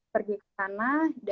pergi ke sana